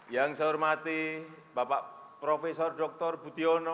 yang saya hormati bapak profesor dr butiono wakil presiden republik indonesia ke sebelas